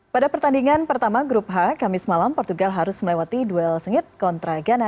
pada pertandingan pertama grup h kamis malam portugal harus melewati duel sengit kontra ghana